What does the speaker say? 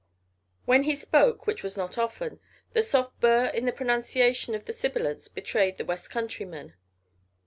When he spoke which was not often the soft burr in the pronunciation of the sibilants betrayed the Westcountryman.